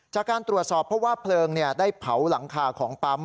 จากการตรวจสอบเพราะว่าเพลิงได้เผาหลังคาของปั๊ม